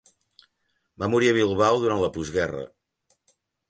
Va morir a Bilbao durant la postguerra.